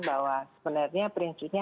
bahwa sebenarnya prinsipnya